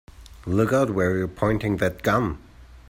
Look out where you're pointing that gun!